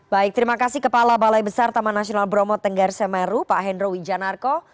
baik terima kasih kepala balai besar taman nasional bromo tenggar semeru pak hendro wijanarko